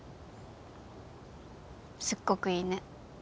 すっごくいいね。